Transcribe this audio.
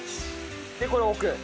でこれを置く？